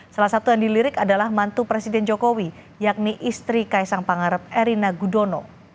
salah satu yang dilirik adalah mantu presiden jokowi yakni istri kaisang pangarep erina gudono